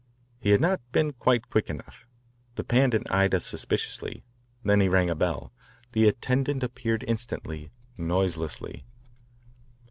He had not been quite quick enough. The Pandit eyed us suspiciously, then he rang a bell. The attendant appeared instantly, noiselessly.